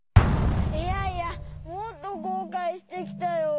いやいやもっとこうかいしてきたよ。